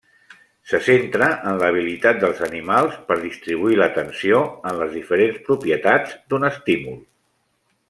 Se centra en l'habilitat dels animals per distribuir l'atenció en les diferents propietats d'un estímul.